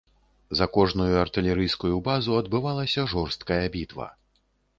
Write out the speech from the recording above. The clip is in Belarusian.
За кожную артылерыйскую базу адбывалася жорсткая бітва.